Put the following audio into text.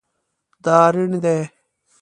دا ریڼ دی